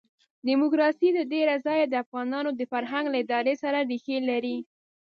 ډیموکراسي تر ډېره ځایه د افغانانو د فرهنګ له ادارې سره ریښې لري.